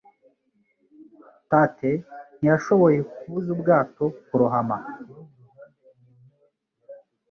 Tate ntiyashoboye kubuza ubwato kurohama